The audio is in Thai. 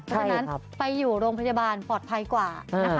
เพราะฉะนั้นไปอยู่โรงพยาบาลปลอดภัยกว่านะคะ